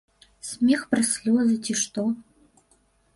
Смех праз слёзы, ці што.